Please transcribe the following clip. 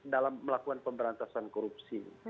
dalam melakukan pemberantasan korupsi